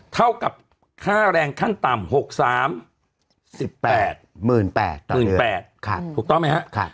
เท่ากับค่าแรงขั้นต่ำ๖๓๑๘๘๘๐๐ถูกต้องไหมฮะ